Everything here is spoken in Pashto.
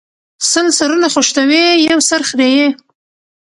سل سرونه خشتوي ، يو سر خريي